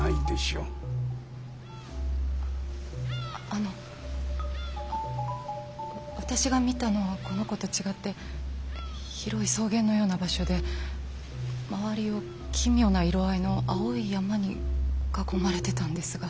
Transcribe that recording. あの私が見たのはこの子と違って広い草原のような場所で周りを奇妙な色合いの青い山に囲まれてたんですが。